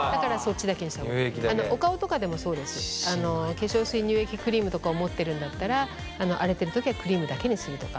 化粧水乳液クリームとかを持ってるんだったら荒れてる時はクリームだけにするとか。